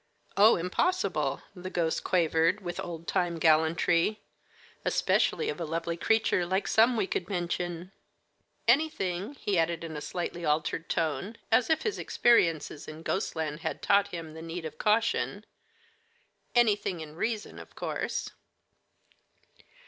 "Oh, impossible," the ghost quavered, with old time gallantry; "especially of a lovely creature like some we could mention. Anything," he added in a slightly altered tone, as if his experiences in ghostland had taught him the need of caution "anything in reason, of course."